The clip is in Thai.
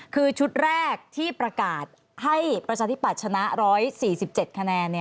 คือชุดแรกที่ประกาศให้ประชาธิปัตย์ชนะ๑๔๗คะแนน